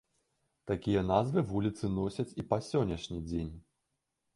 Такія назвы вуліцы носяць і па сённяшні дзень.